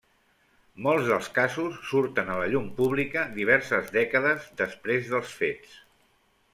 Molts dels casos surten a la llum pública diverses dècades després dels fets.